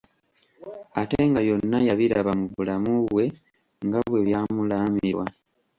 Ate nga byonna yabiraba mu bulamu bwe nga bwe byamulaamirwa.